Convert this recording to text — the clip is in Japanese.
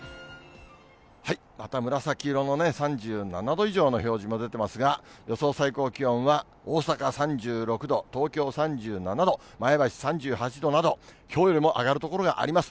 また紫色の３７度以上の表示も出てますが、予想最高気温は、大阪３６度、東京３７度、前橋３８度など、きょうよりも上がる所があります。